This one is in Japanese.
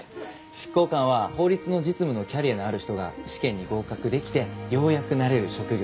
執行官は法律の実務のキャリアのある人が試験に合格できてようやくなれる職業なんです。